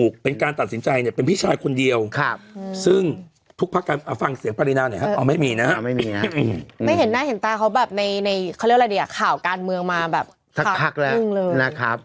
เขาเรียกอะไรดีข่าวการเมืองมาแบบซักพักแล้วนะครับ